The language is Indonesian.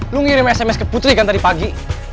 lu ngirim sms ke putri kan tadi pagi